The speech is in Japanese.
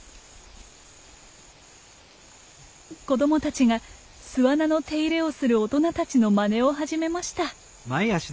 子供たちが巣穴の手入れをする大人たちのまねを始めました。